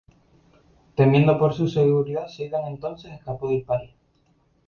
Temiendo por su seguridad Zeidan entonces escapó del país.